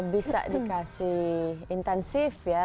bisa dikasih intensif ya